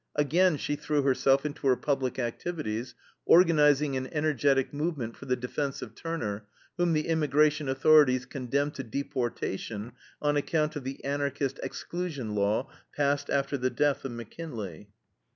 Again she threw herself into her public activities, organizing an energetic movement for the defense of Turner, whom the Immigration authorities condemned to deportation on account of the Anarchist exclusion law, passed after the death of McKinley.